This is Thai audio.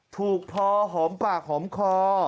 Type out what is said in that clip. ถูกฮอมปากฮอมคลอ